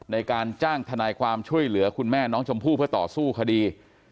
ในการจ้างทนายความช่วยเหลือคุณแม่น้องชมพู่เพื่อต่อสู้คดี